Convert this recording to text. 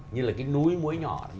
như là cái núi muối nhỏ